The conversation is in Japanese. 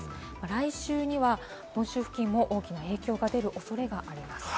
来週には本州付近も大きな影響が出る恐れがあります。